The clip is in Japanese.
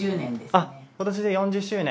あっ今年で４０周年。